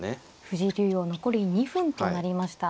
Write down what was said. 藤井竜王残り２分となりました。